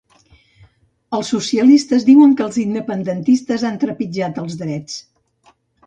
Els socialistes diuen que els independentistes han trepitjat els drets.